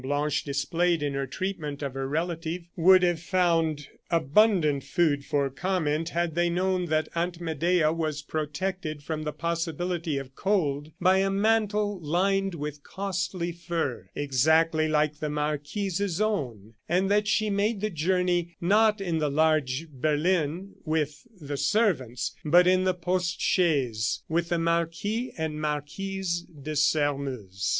Blanche displayed in her treatment of her relative, would have found abundant food for comment had they known that Aunt Medea was protected from the possibility of cold by a mantle lined with costly fur, exactly like the marquise's own, and that she made the journey, not in the large Berlin, with the servants, but in the post chaise with the Marquis and Marquise de Sairmeuse.